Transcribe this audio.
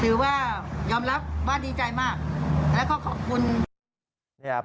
ถือว่ายอมรับว่าดีใจมากแล้วก็ขอบคุณนะครับ